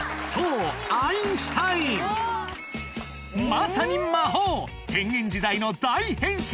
まさに魔法変幻自在の大変身